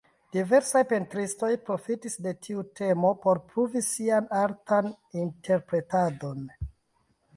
Diversaj pentristoj profitis de tiu temo por pruvi sian artan interpretadon.